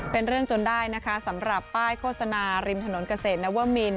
เป็นเรื่องจนได้นะคะสำหรับป้ายโฆษณาริมถนนเกษตรนวมิน